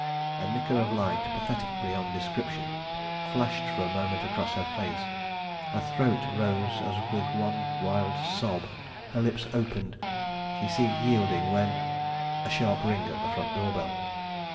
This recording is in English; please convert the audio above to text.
A flicker of light, pathetic beyond description, flashed for a moment across her face; her throat rose as with one wild sob; her lips opened; she seemed yielding, when A sharp ring at the front door bell!